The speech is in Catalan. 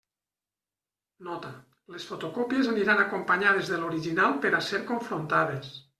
Nota: les fotocòpies aniran acompanyades de l'original per a ser confrontades.